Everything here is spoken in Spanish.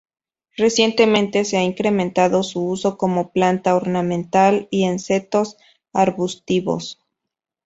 Recientemente se ha incrementado su uso como planta ornamental y en setos arbustivos.